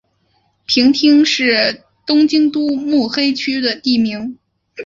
平町是东京都目黑区的地名。